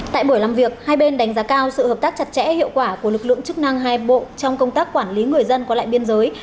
tại buổi làm việc hai bên đánh giá cao sự hợp tác chặt chẽ hiệu quả của lực lượng chức năng hai bộ trong công tác quản lý người dân qua lại biên giới